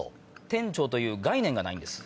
店長という概念がないんです。